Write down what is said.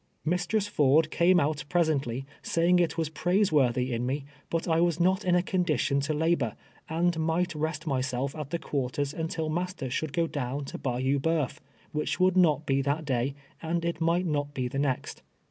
Mistress Ford came out presently, saying it was praise worthy inme, buti wasnot in a condition to la boi", and might rest myself at the quarters until mas ter should go diiwn to Bayou Breuf, which would not be tliat day, and it might not l)e the next.